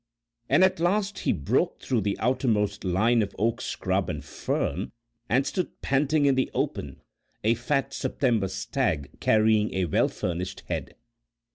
And at last he broke through the outermost line of oak scrub and fern and stood panting in the open, a fat September stag carrying a well furnished head.